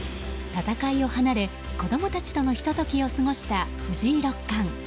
戦いを離れ、子供たちとのひと時を過ごした藤井六冠。